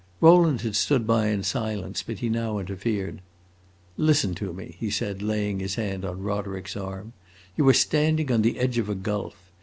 Rowland had stood by in silence, but he now interfered. "Listen to me," he said, laying his hand on Roderick's arm. "You are standing on the edge of a gulf.